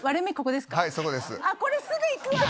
これすぐ行くわ。